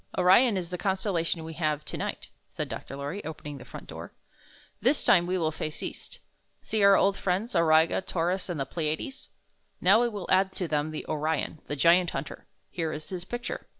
"Orion is the constellation we have to 14 I found this on . 15 night," said Dr. Lorry, opening the front door. ''This time we will face east. See our old friends, Auriga, Taurus, and the Pleiades ? Now we will add to them O rf on, the Giant Hunter. Here is his picture."